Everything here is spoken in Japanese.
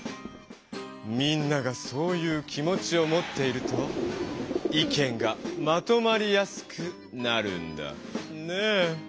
みんながそういう気持ちをもっていると意見がまとまりやすくなるんだねぇ。